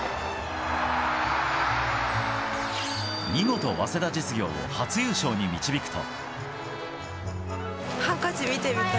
見事、早稲田実業を初優勝に導くと。